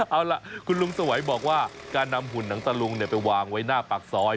เอาล่ะคุณลุงสวัยบอกว่าการนำหุ่นหนังตะลุงไปวางไว้หน้าปากซอย